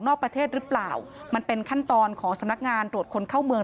ประเทศหรือเปล่ามันเป็นขั้นตอนของสำนักงานตรวจคนเข้าเมือง